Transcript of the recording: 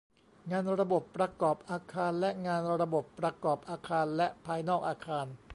งานระบบประกอบอาคารและงานระบบประกอบอาคารและภายนอกอาคาร